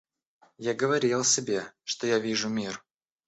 Я говорил себе, что я вижу мир.